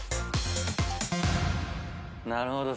なるほど。